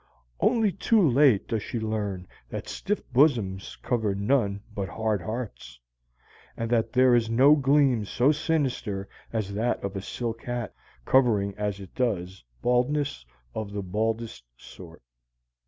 Only too late does she learn that stiff bosoms cover none but hard hearts, and that there is no gleam so sinister as that of a silk hat, covering as it does baldness of the baldest sort.